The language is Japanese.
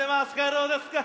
どうですか？